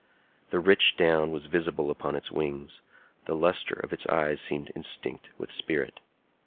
The rich down was visible upon its wings; the lustre of its eyes seemed instinct with spirit.